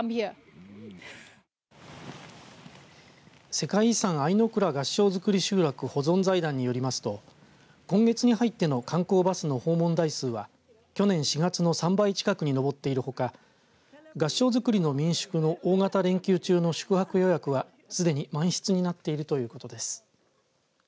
世界遺産相倉合掌造り集落保存財団によりますと今月に入っての観光バスの訪問台数は去年４月の３倍近くに上っているほか合掌造りの民宿の大型連休中の宿泊予約がすでに満室になっているということです。